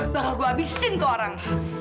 bakal gue abisin itu orang